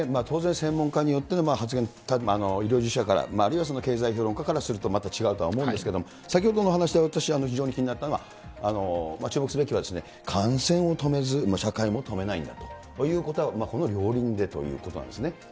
当然、専門家によって発言、医療従事者から、あるいは経済評論家からすると、また違うとは思うんですけれども、先ほどのお話で私、非常に気になったのは、注目すべきは、感染を止めず、社会も止めないんだということは、この両輪でということなんですね。